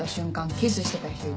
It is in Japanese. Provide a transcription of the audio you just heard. キスしてた人いた。